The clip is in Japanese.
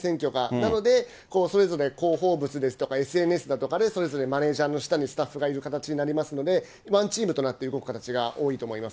なので、それぞれ広報物ですとか、ＳＮＳとかで、それぞれマネージャーの下にスタッフがいる形となりますので、ワンチームとなって動く形が多いと思います。